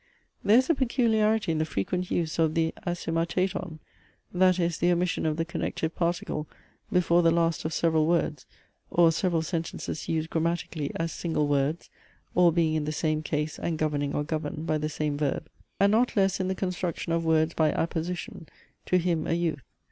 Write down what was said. There is a peculiarity in the frequent use of the asymartaeton (that is, the omission of the connective particle before the last of several words, or several sentences used grammatically as single words, all being in the same case and governing or governed by the same verb) and not less in the construction of words by apposition ("to him, a youth").